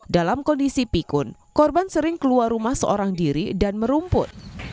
dalam kondisi pikun korban sering keluar rumah seorang diri dan merumput